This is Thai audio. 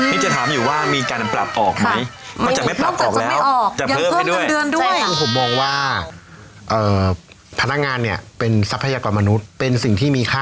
นี่จะถามอยู่ว่ามีการปรับออกไหม